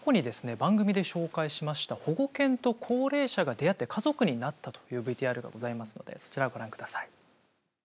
番組で紹介しました保護犬と高齢者が出会って家族になったというＶＴＲがございますのでそちらをご覧ください。